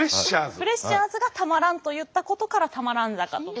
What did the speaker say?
フレッシャーズがたまらんと言ったことから多摩蘭坂と。